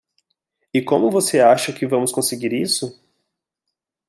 E como você acha que vamos conseguir isso?